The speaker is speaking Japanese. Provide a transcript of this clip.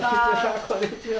こんにちは。